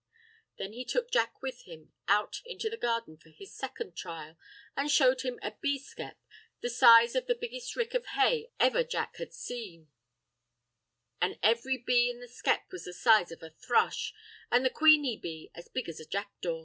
Then he took Jack with him out into the garden for his second trial, an' showed him a bee skep, the size of the biggest rick of hay ever Jack had seen; an' every bee in the skep was the size of a thrush, an' the queeny bee as big as a jackdaw.